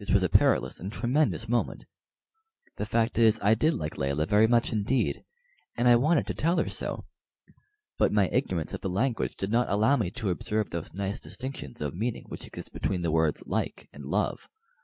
This was a perilous and a tremendous moment. The fact is, I did like Layelah very much indeed, and I wanted to tell her so; but my ignorance of the language did not allow me to observe those nice distinctions of meaning which exist between the words "like" and "love."